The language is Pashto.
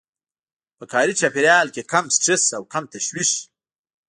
په کاري چاپېريال کې کم سټرس او کم تشويش.